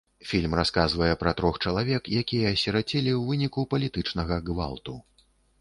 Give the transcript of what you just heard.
Фільм расказвае пра трох чалавек, якія асірацелі ў выніку палітычнага гвалту.